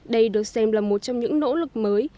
đây được xem là một trong những nỗ lực mới